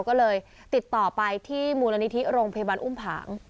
ก็เลยติดต่อไปที่มูลนิธิโรงพยาบาลอุ้มผาง